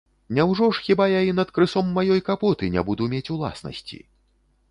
Няўжо ж хіба я і над крысом маёй капоты не буду мець уласнасці?